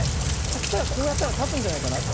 ハクサイはこうやったらたつんじゃないかな。